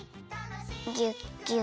ぎゅっぎゅっ。